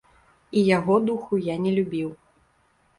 І яго духу я не любіў.